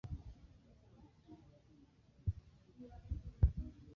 pekee Vita ya Uhuru wa Marekani ilipigwa